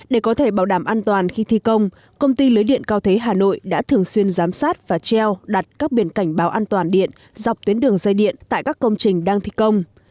để có thể bảo đảm an toàn khi thi công công ty lưới điện cao thế hà nội đã thường xuyên giám sát và treo đặt các biển cảnh báo an toàn điện dọc tuyến đường dây điện tại các công trình đang thi công